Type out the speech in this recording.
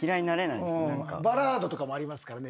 バラードとかもありますからね。